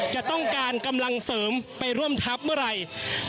จะต้องการกำลังเสริมไปร่วมทัพเมื่อไหร่